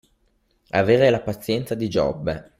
Avere la pazienza di Giobbe.